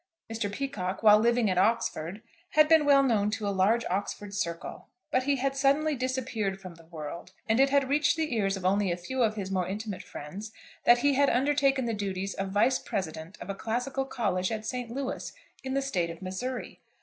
Mr. Peacocke, while living at Oxford, had been well known to a large Oxford circle, but he had suddenly disappeared from that world, and it had reached the ears of only a few of his more intimate friends that he had undertaken the duties of vice president of a classical college at Saint Louis in the State of Missouri.